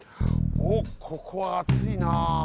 おっここはあついな。